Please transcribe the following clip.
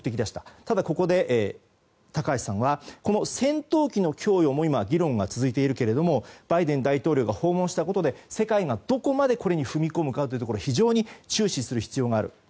ただ、ここで高橋さんは戦闘機の供与も今、議論が続いているけどもバイデン大統領が訪問したことで世界がどこまでこれに踏み込むかというところを非常に注視する必要がある。